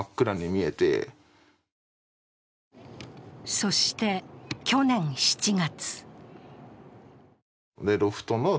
そして去年７月。